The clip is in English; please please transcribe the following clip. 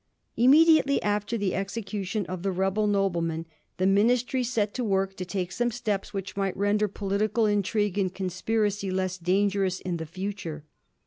Immediately after the execution of the rebel noble men the ministry set to work to take some steps which might render political intrigue and conspiracy less dangerous in the future.